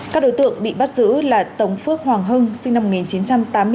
các đối tượng bị bắt giữ là tống phước hoàng hưng sinh năm một nghìn chín trăm tám mươi bốn